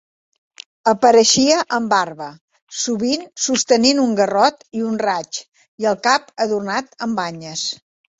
Apareixia amb barba, sovint sostenint un garrot i un raig i el cap adornat amb banyes.